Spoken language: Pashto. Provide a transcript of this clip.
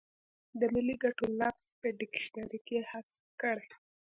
د ملي ګټو لفظ په ډکشنري کې حذف کړي.